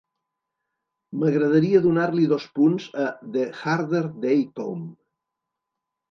M'agradaria donar-li dos punts a "The Harder They Come"